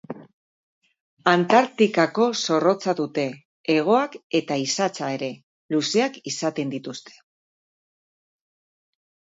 Antartikako zorrotza dute; hegoak eta isatsa ere luzeak izaten dituzte.